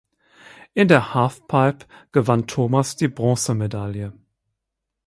In der Halfpipe gewann Thomas die Bronzemedaille.